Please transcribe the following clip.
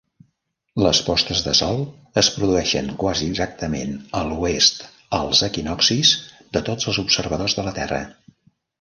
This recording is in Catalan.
Les postes de sol es produeixen quasi exactament a l'oest als equinoccis de tots els observadors de la Terra.